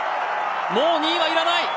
もう２位はいらない。